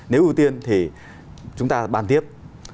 nếu ưu tiên thì chúng ta bàn tiếp